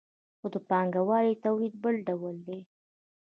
خو د پانګوالي تولید بل ډول دی.